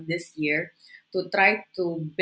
tahun ini untuk mencoba